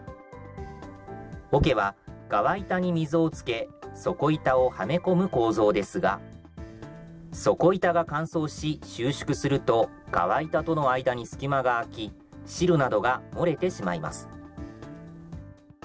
おけは側板に溝をつけ、底板をはめ込む構造ですが、底板が乾燥し収縮すると、側板との間に隙間が空き、汁などが漏れてしまいます。